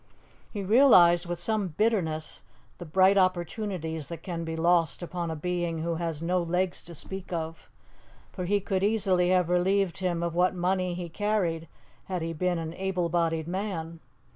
He realized with some bitterness the bright opportunities that can be lost upon a being who has no legs to speak of; for he could easily have relieved him of what money he carried had he been an able bodied man.